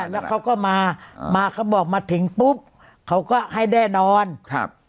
แล้วเขาก็มามาเขาบอกมาถึงปุ๊บเขาก็ให้แน่นอนครับ